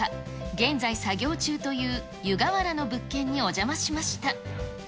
現在、作業中という湯河原の物件にお邪魔しました。